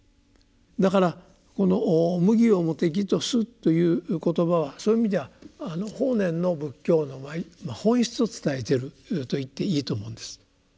だからこの「無義をもて義とす」という言葉はそういう意味ではあの法然の仏教の本質を伝えていると言っていいと思うんです。